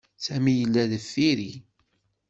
Sami yella deffir-i.